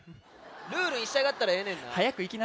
ルールにしたがったらええねんな。